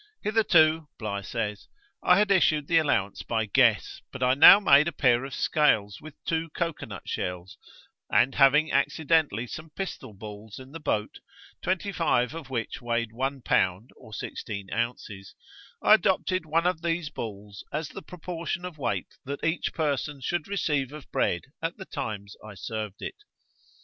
'Hitherto,' Bligh says, 'I had issued the allowance by guess, but I now made a pair of scales with two cocoa nut shells; and having accidentally some pistol balls in the boat, twenty five of which weighed one pound or sixteen ounces, I adopted one of these balls as the proportion of weight that each person should receive of bread at the times I served it.